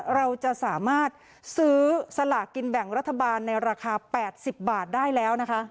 เราจะสามารถซื้อสลากกินแบ่งรัฐบาลในราคา๘๐บาทได้แล้วนะคะ